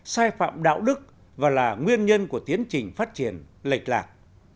sai phạm đạo đức và là nguyên nhân của tiến trình phát triển lệch lạc